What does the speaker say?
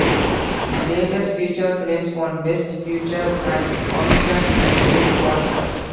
His latest feature films won Best Feature at Comicon Einsteins God Model.